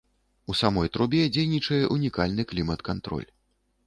У самой трубе дзейнічае ўнікальны клімат-кантроль.